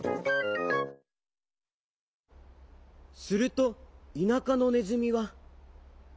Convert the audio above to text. すると田舎のねずみは。